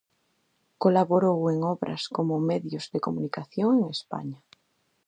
Colaborou en obras como Medios de Comunicación en España.